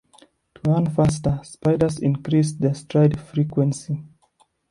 To run faster, spiders increase their stride frequency.